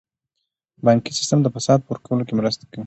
بانکي سیستم د فساد په ورکولو کې مرسته کوي.